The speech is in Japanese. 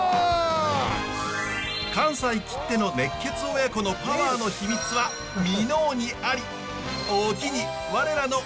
関西きっての熱血親子のパワーの秘密は箕面にあり！